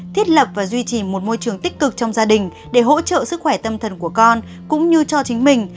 thiết lập và duy trì một môi trường tích cực trong gia đình để hỗ trợ sức khỏe tâm thần của con cũng như cho chính mình